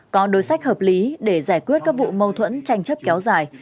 có đối sách hợp lý để giải quyết các vụ mâu thuẫn tranh chấp kéo dài